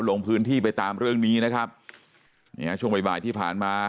ลงพื้นที่ไปตามเรื่องนี้นะครับนี่ฮะช่วงบ่ายบ่ายที่ผ่านมา